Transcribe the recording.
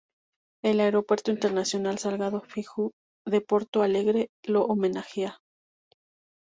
El Aeropuerto Internacional Salgado Filho de Porto Alegre lo homenajea.